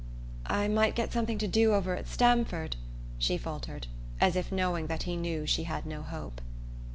"I might get something to do over at Stamford," she faltered, as if knowing that he knew she had no hope.